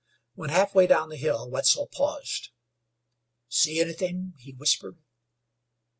When half way down the bill Wetzel paused. "See anythin'?" he whispered.